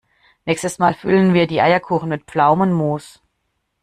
Nächstes Mal füllen wir die Eierkuchen mit Pflaumenmus.